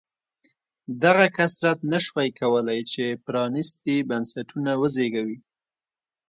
دغه کثرت نه شوای کولای چې پرانېستي بنسټونه وزېږوي.